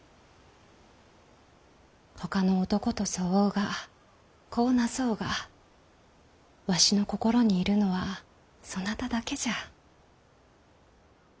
ほかの男と添おうが子をなそうがわしの心にいるのはそなただけじゃ。